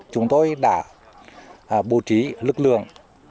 chúng tôi đã bố trí lực lượng